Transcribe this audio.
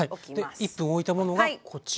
で１分おいたものがこちら。